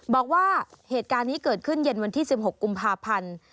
บอกว่าเหตุการณ์นี้เกิดขึ้นเย็นวันที่๑๖กุมภาพันธ์